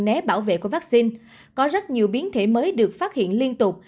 né bảo vệ của vaccine có rất nhiều biến thể mới được phát hiện liên tục